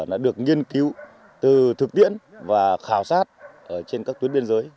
đã được nghiên cứu từ thực tiễn và khảo sát trên các tuyến biên giới